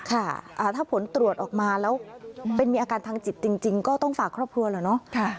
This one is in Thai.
ค่ะถ้าผลตรวจออกมาแล้วเป็นมีอาการทางจิตจริงก็ต้องฝากครอบครัวเหรอเนาะ